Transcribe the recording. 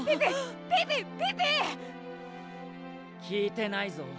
聞いてないぞ。